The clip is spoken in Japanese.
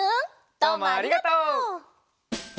どうもありがとう！